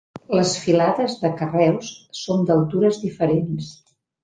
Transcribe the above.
Les filades de carreus són d'altures diferents.